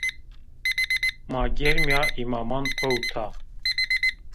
Ma germîya îmaman pewta